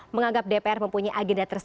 menganggap dpr mempunyai agenda tersebut